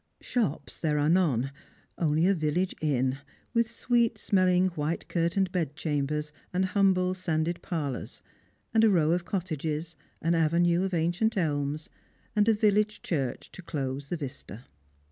Shops there are none; only a village inn, with Bweet smelling white cxirtained bedchambers and humble sanded jiarlours, and a row of cottages, an avenue of ancient elms, and the village church to close the vista.